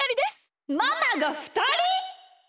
ママがふたり！？